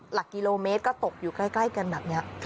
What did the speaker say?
หลักกิโลเมตรก็ตกอยู่ใกล้กันแบบนี้